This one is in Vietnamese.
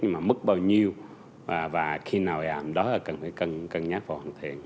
nhưng mà mức bao nhiêu và khi nào ảm đó là cần nhắc vào hoàn thiện